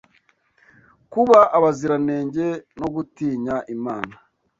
kuba abaziranenge no gutinya Imana